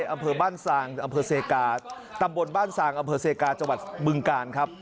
อำเภอบ้านซางอำเภอเซกาตำบลบ้านซางอำเภอเซกาจังหวัดบึงกาลครับ